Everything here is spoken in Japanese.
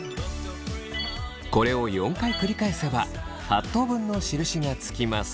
これを４回繰り返せば８等分の印がつきます。